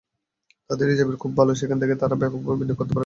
তাদের রিজার্ভ খুব ভালো, সেখান থেকে তারা ব্যাপকভাবে বিনিয়োগ করতে পারে।